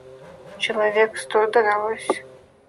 Человек сто дралось